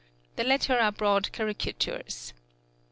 The latter are broad caricatures.